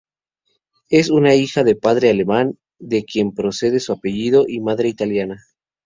Es hija de padre alemán, de quien procede su apellido, y madre italiana.